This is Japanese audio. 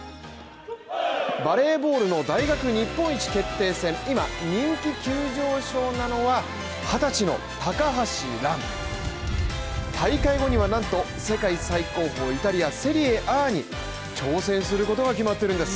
バレーボールの大学日本一決定戦、今人気急上昇なのは２０歳の高橋蘭大会後にはなんと世界最高峰イタリアセリエＡに挑戦することが決まってるんです。